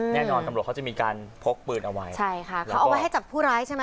แน่นอนตำรวจเขาจะมีการพกปืนเอาไว้ใช่ค่ะเขาเอาไว้ให้จับผู้ร้ายใช่ไหม